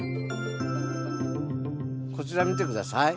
こちら見て下さい。